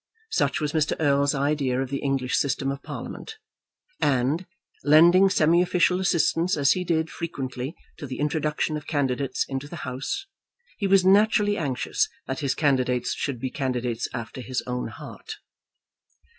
Such was Mr. Erle's idea of the English system of Parliament, and, lending semi official assistance as he did frequently to the introduction of candidates into the House, he was naturally anxious that his candidates should be candidates after his own heart.